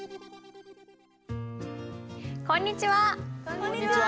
こんにちは。